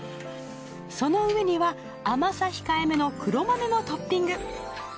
その上には甘さ控えめの黒豆もトッピング。